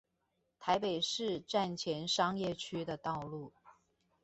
台北市站前商業區的道路